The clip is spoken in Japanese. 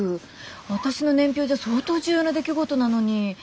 私の年表じゃ相当重要な出来事なのに。